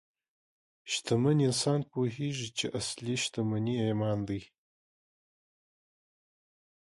شتمن انسان پوهېږي چې اصلي شتمني ایمان دی.